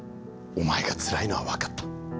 お前がつらいのは分かった。